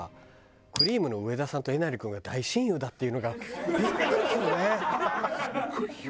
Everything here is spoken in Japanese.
くりぃむの上田さんとえなり君が大親友だっていうのがビックリするね。